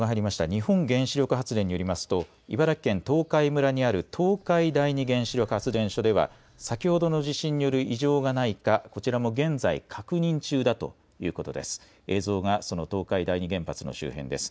日本原子力発電によりますと、茨城県東海村にある東海第二原子力発電所では、先ほどの地震による異常がないか、こちらも現在確認中だということです。